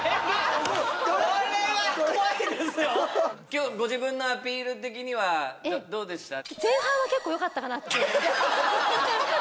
今日ご自分のアピール的にはどうでした？